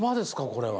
これは。